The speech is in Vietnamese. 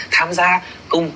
tham gia cùng